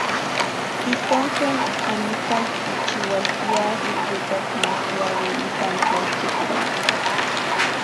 Ijkon ken amikaj kichiualtia iluikak makiaui ipan tlatikpak.